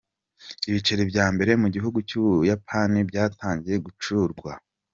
Ibiceri bya mbere mu gihugu cy’ubuyapani byatangiye gucurwa.